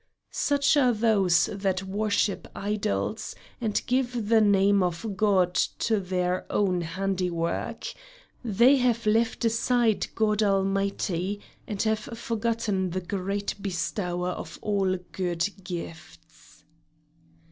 Such are those that worship idols, and give the name of God to their own handiwork. They have left aside God Almighty, and have forgotten the Great Bestower of all good gifts.